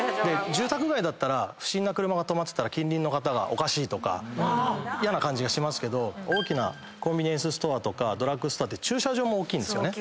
住宅街だったら不審な車が止まってたら近隣の方がおかしいとか嫌な感じがしますけど大きなコンビニエンスストアやドラッグストアって駐車場も大きいんですよね。